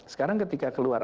sekarang ketika keluar